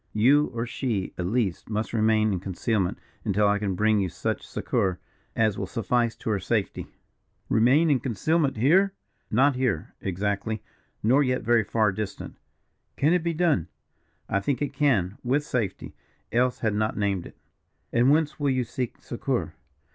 You, or she, at least, must remain in concealment until I can bring you such succour as will suffice to her safety." "Remain in concealment, here?" "Not here, exactly, nor yet very far distant." "Can it be done?" "I think it can, with safety else had not named it." "And whence will you seek succour?"